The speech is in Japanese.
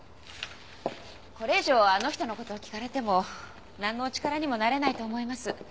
これ以上あの人の事を聞かれてもなんのお力にもなれないと思います。